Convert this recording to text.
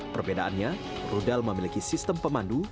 perbedaannya rudal memiliki sistem pemandu